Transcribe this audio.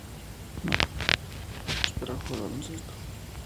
Más tarde se fue a Estados Unidos para jugar a baloncesto.